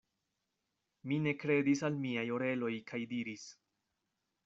Mi ne kredis al miaj oreloj kaj diris: